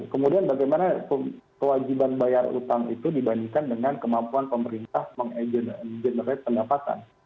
kemudian bagaimana kewajiban bayar utang itu dibandingkan dengan kemampuan pemerintah mengenerate pendapatan